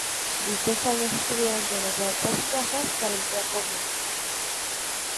Dichos años estuvieron llenos de altas y bajas para el Cracovia.